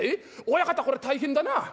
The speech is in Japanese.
親方こら大変だな」。